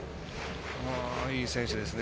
いい選手ですね。